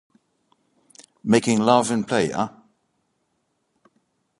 Making love in play, eh?